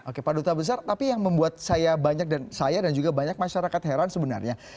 oke pak duta besar tapi yang membuat saya dan juga banyak masyarakat heran sebenarnya